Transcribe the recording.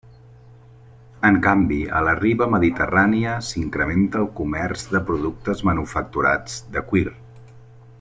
En canvi a la riba Mediterrània s'incrementa el comerç de productes manufacturats de cuir.